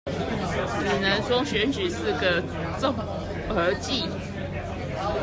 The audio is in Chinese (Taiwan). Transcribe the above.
只能說選舉是個綜合技